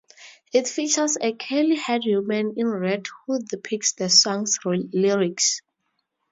It features a curly-haired woman in red who depicts the song's lyrics.